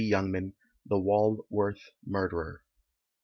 YOUNGMAN, The Walworth Murderer.